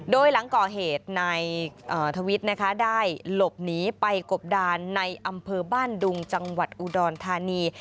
โดยหลังก่อเหตุนายทวิทย์นะคะได้หลบหนีไปกบดานในอำเภอบ้านดุงจังหวัดอุดรธานี